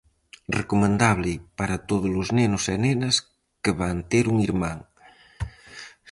Recomendable para tódolos nenos e nenas que van ter un irmán.